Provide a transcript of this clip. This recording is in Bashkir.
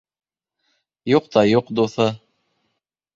Юҡ та юҡ дуҫы.